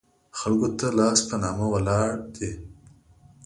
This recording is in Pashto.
خلکو ته لاس په نامه ولاړ دي.